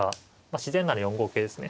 自然なら４五桂ですね。